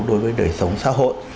đối với đời sống xã hội